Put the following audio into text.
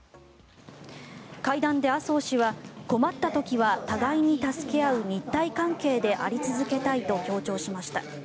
会談で麻生氏は困った時は互いに助け合う日台関係であり続けたいと強調しました。